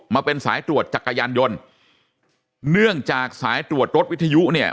มาเป็นสายตรวจจักรยานยนต์เนื่องจากสายตรวจรถวิทยุเนี่ย